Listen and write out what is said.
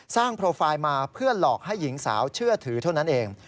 โปรไฟล์มาเพื่อหลอกให้หญิงสาวเชื่อถือเท่านั้นเอง